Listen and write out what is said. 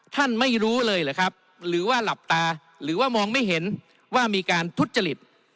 ไม่รู้เลยหรือครับหรือว่าหลับตาหรือว่ามองไม่เห็นว่ามีการทุจริต